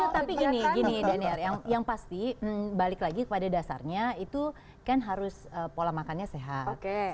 tapi gini gini daniar yang pasti balik lagi pada dasarnya itu kan harus pola makannya sehat